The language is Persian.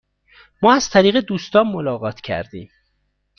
ما از طریق دوستان ملاقات کردیم.